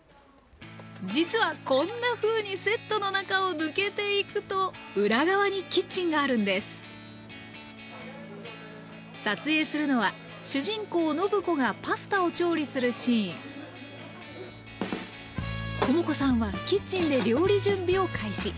実はこんなふうにセットの中を抜けていくと裏側にキッチンがあるんです撮影するのは主人公・暢子がパスタを調理するシーン知子さんはキッチンで料理準備を開始。